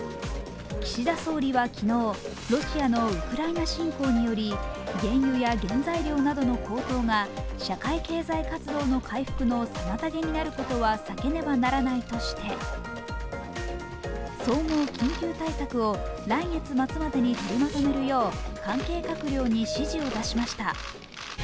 岸田総理は昨日ロシアのウクライナ侵攻により原油や原材料などの高騰が社会経済活動の回復の妨げになることは避けねばならないとして、総合緊急対策を来月末までに取りまとめるよう関係閣僚に指示を出しました。